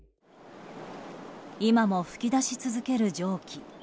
今も噴き出し続ける蒸気。